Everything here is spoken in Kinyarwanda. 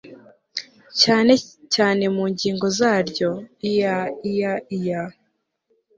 cyane cyane mu ngingo zaryo iya iya iya